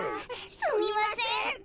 すみません。